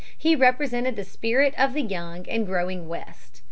He represented the spirit of the young and growing West.